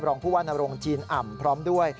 รองผู้ว่านรงจีนอ่ำพร้อมด้วย